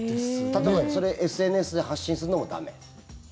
例えばそれをＳＮＳで発信するのも駄目？